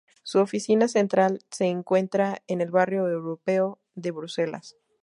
Su oficina central se encuentra en el barrio europeo de Bruselas.